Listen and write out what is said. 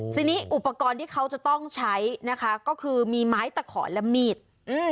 ทีนี้อุปกรณ์ที่เขาจะต้องใช้นะคะก็คือมีไม้ตะขอและมีด